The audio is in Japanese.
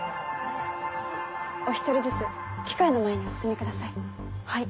お一人ずつ機械の前にお進みください。